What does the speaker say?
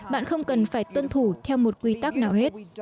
bạn không cần phải tuân thủ theo một quy tắc nào hết